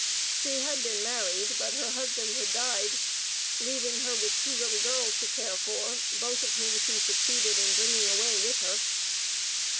She had been married, but her husband had died, leaving her with two little girls to care for, both of whom she succeeded in bringing away with her.